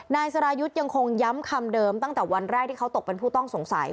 นายสรายุทธ์ยังคงย้ำคำเดิมตั้งแต่วันแรกที่เขาตกเป็นผู้ต้องสงสัย